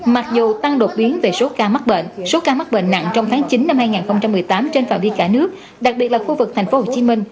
mặc dù tăng đột biến về số ca mắc bệnh số ca mắc bệnh nặng trong tháng chín năm hai nghìn một mươi tám trên phòng vi cả nước đặc biệt là khu vực thành phố hồ chí minh